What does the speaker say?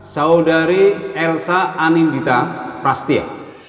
saudari elsa anindita prastia